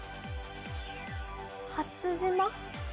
初島？